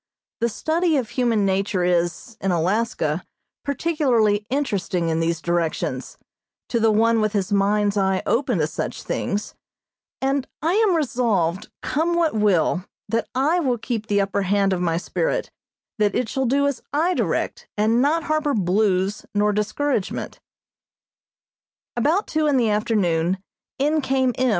The study of human nature is, in Alaska, particularly interesting in these directions, to the one with his mind's eye open to such things, and I am resolved, come what will, that I will keep the upper hand of my spirit, that it shall do as I direct, and not harbor "blues" nor discouragement. About two in the afternoon in came M.